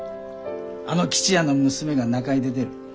あの吉也の娘が仲居で出る。